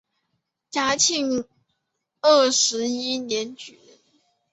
嘉庆二十一年举人。